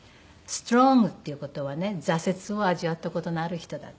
「ストロングっていう事はね挫折を味わった事のある人だ」って。